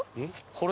これ。